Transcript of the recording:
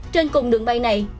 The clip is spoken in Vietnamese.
trên cùng đường bay này